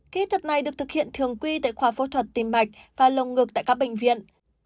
kỹ thuật này được thực hiện thường quy tại khoa phẫu thuật tim mạch và lồng ngực tại các bệnh viện